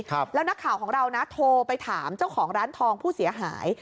ครับแล้วนักข่าวของเรานะโทรไปถามเจ้าของร้านทองผู้เสียหาย